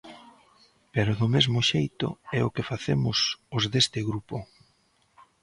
Pero do mesmo xeito é o que facemos os deste grupo.